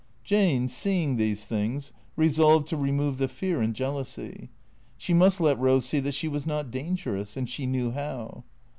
Jane, seeing these things, resolved to remove the fear and jealousy. She must let Rose see that she was not dangerous; and she knew how.